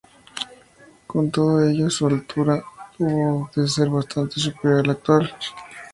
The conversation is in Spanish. Con todo ello, su altura hubo de ser bastante superior a la actual.